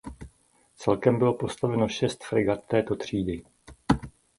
Celkem bylo postaveno šest fregat této třídy.